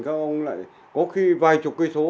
các ông lại có khi vài chục cây số